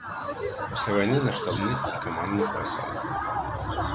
Пасля вайны на штабных і камандных пасадах.